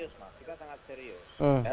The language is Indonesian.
serius mas kita sangat serius